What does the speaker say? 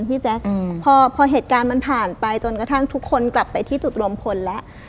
พี่แจ๊คพอเหตุการณ์มันผ่านไปจนกระทั่งทุกคนกลับไปที่จุดรวมพลแล้ว